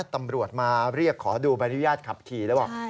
ตำรวจมาเรียกขอดูใบอนุญาตขับขี่แล้วบอก